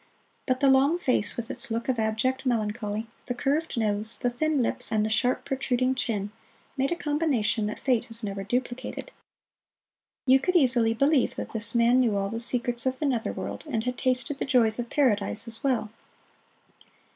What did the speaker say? But the long face with its look of abject melancholy, the curved nose, the thin lips and the sharp, protruding chin, made a combination that Fate has never duplicated. You could easily believe that this man knew all the secrets of the Nether World, and had tasted the joys of Paradise as well.